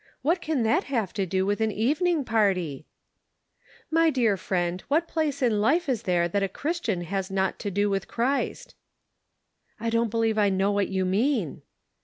" What can that have to do with an evening party ?"" My dear friend, what place in life is there that a Christian has not to do with Christ ?"" I don't believe I know what you mean."